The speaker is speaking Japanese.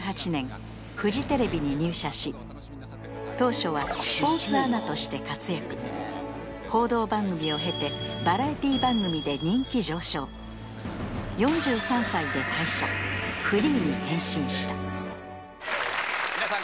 当初は報道番組を経てバラエティ番組で人気上昇４３歳で退社フリーに転身した皆さん